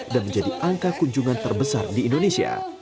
dan menjadi angka kunjungan terbesar di indonesia